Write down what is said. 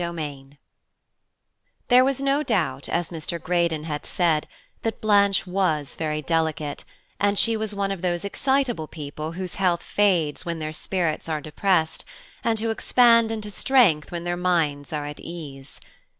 CHAPTER V THERE was no doubt, as Mr. Greydon had said, that Blanche was very delicate, and she was one of those exciteable people whose health fades when their spirits are depressed, and who expand into strength when their minds are at ease.